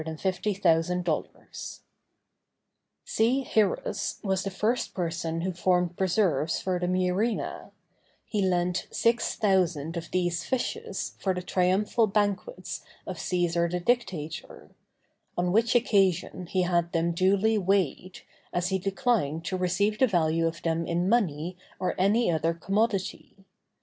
C. Hirrus was the first person who formed preserves for the murena; he lent six thousand of these fishes for the triumphal banquets of Cæsar the Dictator; on which occasion he had them duly weighed, as he declined to receive the value of them in money or any other commodity.